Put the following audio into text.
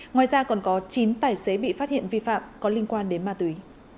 ngoài ra còn có chín tài xế bị phát hiện vi phạm có liên quan đến ma túy